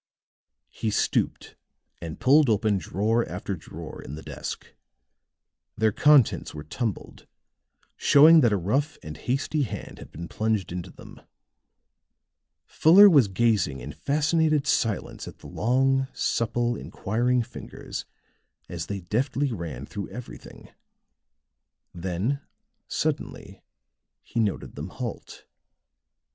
He stooped and pulled open drawer after drawer in the desk; their contents were tumbled, showing that a rough and hasty hand had been plunged into them. Fuller was gazing in fascinated silence at the long, supple, inquiring fingers as they deftly ran through everything; then suddenly he noted them halt.